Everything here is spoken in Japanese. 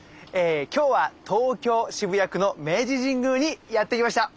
今日は東京・渋谷区の明治神宮にやって来ました。